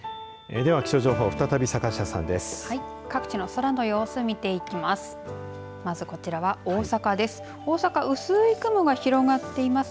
では、気象情報再び坂下さんです。